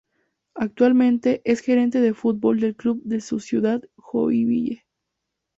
Actualmente, es gerente de fútbol del club de su ciudad, Joinville.